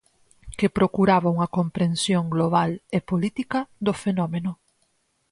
Que procuraba unha comprensión global, e política, do fenómeno.